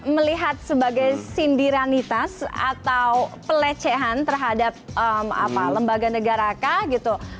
melihat sebagai sindiranitas atau pelecehan terhadap lembaga negara kah gitu